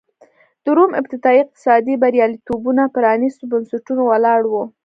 د روم ابتدايي اقتصادي بریالیتوبونه پرانېستو بنسټونو ولاړ و.